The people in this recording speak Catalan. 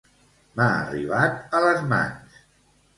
M'ha arribat a les mans.